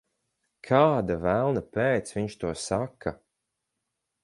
Kāda velna pēc viņš to saka?